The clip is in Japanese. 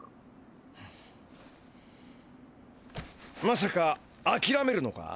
まさかあきらめるのか？